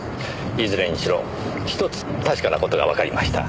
いずれにしろ一つ確かな事がわかりました。